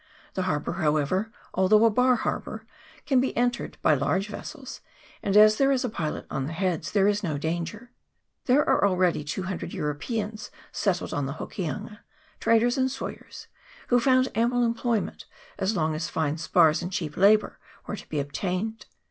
The harbour, however, although a bar harbour, can be entered by large vessels, and as there is a pilot on the heads there is no danger. There are already 200 Europeans settled on the Hokianga, traders and sawyers, who found ample employment as long as tine spars and cheap labour were to be obtained.